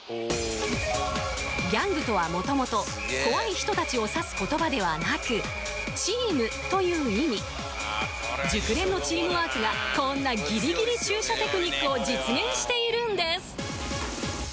ギャングとは元々怖い人達を指す言葉ではなくチームという意味熟練のチームワークがこんなギリギリ駐車テクニックを実現しているんです！